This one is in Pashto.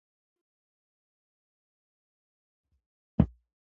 کارکوونکي د ښه پلان له لارې خپل کار پرمخ وړي